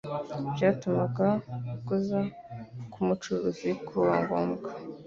byatumaga ukuza k'Umucunguzi kuba ngombwa.